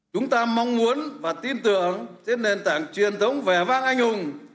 chúng ta mong muốn và tin tưởng trên nền tảng truyền thống vẻ vang anh hùng